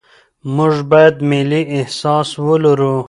موږ باید ملي احساس ولرو.